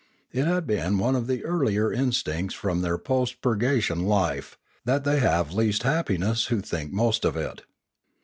It had been one of the earlier in stincts from their post purgation life, that they have least happiness who think most of it.